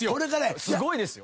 すごいですよ。